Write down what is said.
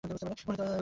উনি আমার গেছেন!